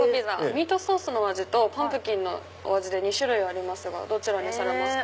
ミートソースのお味とパンプキンのお味で２種類ありますがどちらにされますか？